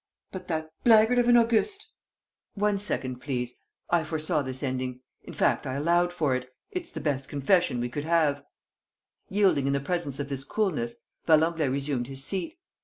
.." "But that blackguard of an Auguste ..." "One second, please. ... I foresaw this ending ... in fact, I allowed for it. ... It's the best confession we could have. ..." Yielding in the presence of this coolness, Valenglay resumed his seat.